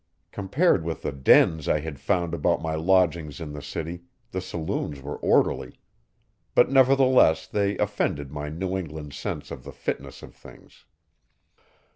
Compared with the dens I had found about my lodgings in the city, the saloons were orderly; but nevertheless they offended my New England sense of the fitness of things.